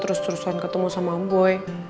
terus terusan ketemu sama boy